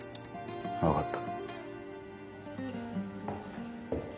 分かった。